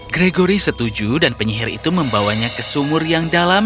gregory setuju dan penyihir itu membawanya ke sumur yang dalam